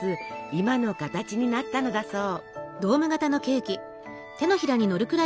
今の形になったのだそう。